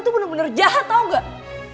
itu bener bener jahat tau gak